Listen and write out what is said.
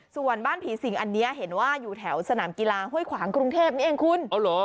ส่วนบ้านผีสิงอันนี้เห็นว่าอยู่แถวสนามกีฬาห้วยขวางกรุงเทพนี่เองคุณ